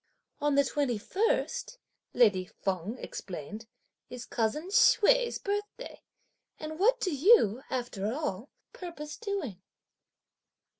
"On the 21st," lady Feng explained, "is cousin Hsüeh's birthday, and what do you, after all, purpose doing?"